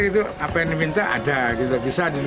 dia minta ada bisa dilukis sama ibunya